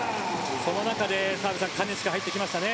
その中で澤部さん金近が入ってきましたね。